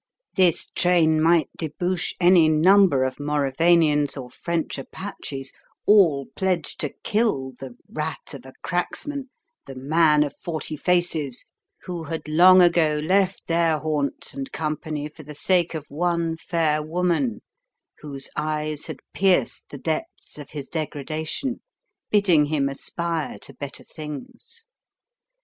This train might debouch any number of Maurevanians or French apaches, all pledged to kill the "Rat of a Cracksman, " the" Man of Forty Faces " who had long ago left their haunts and company for the sake of one fair woman whose eyes had pierced the depths of his degradation, bidding him aspire to better things.